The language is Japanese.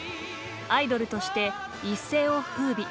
アイドルとして一世を風靡。